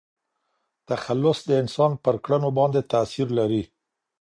تخلص د انسان پر کړنو باندي تاثير لري.